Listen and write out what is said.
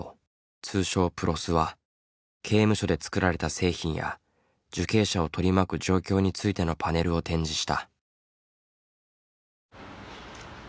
通称ＰＲＯＳは刑務所で作られた製品や受刑者を取り巻く状況についてのパネルを展示した。